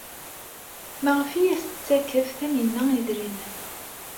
Maɣef ay as-tettakf Taninna idrimen?